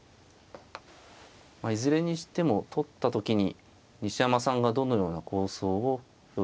いずれにしても取った時に西山さんがどのような構想を用意してるのか。